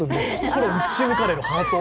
心を打ち抜かれる、ハートを。